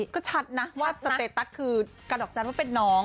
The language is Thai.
ก็ชัดนะว่าสเตตัสคือการดอกจันทร์ว่าเป็นน้อง